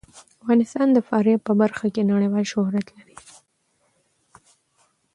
افغانستان د فاریاب په برخه کې نړیوال شهرت لري.